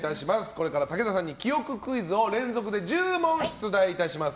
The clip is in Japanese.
これから記憶クイズを連続で１０問、出題いたします。